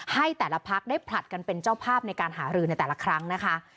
ให้แต่ละพักได้ผลัดกันเป็นเจ้าภาพในการหารือในแต่ละครั้งนะคะ